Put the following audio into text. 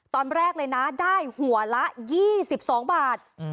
ตอนแรกเลยนะได้หัวละ๒๒บาท